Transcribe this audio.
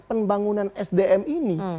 pembangunan sdm ini